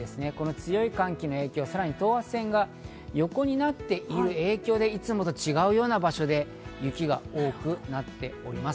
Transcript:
強い寒気の影響、さらに等圧線が横になっている影響でいつもと違うような場所で、雪が多くなっております。